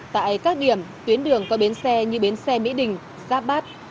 tại các điểm tuyến đường có bến xe như bến xe mỹ đình giáp bát